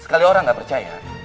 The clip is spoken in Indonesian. sekali orang gak percaya